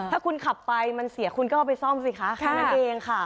ถ้าคุณขับไปมันเสียคุณก็เอาไปซ่อมสิคะแค่นั้นเองค่ะ